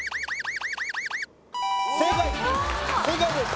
正解です・